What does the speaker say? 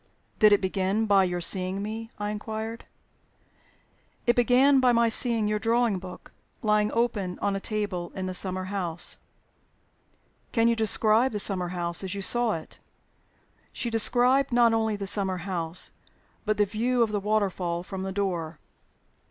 "Did it begin by your seeing me?" I inquired. "It began by my seeing your drawing book lying open on a table in a summer house." "Can you describe the summer house as you saw it?" She described not only the summer house, but the view of the waterfall from the door.